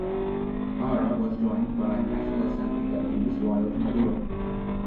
Parra was joined by National Assembly deputies loyal to Maduro.